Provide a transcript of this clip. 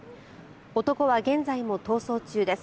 男は現在も逃走中です。